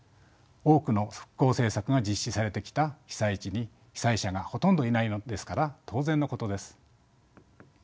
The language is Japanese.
多くの復興政策が実施されてきた被災地に被災者がほとんどいないのですから当然のことです。